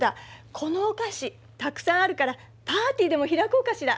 このお菓子たくさんあるからパーティーでも開こうかしら。